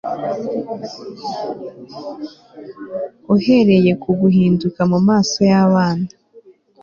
Uhereye ku guhinduka mumaso yabana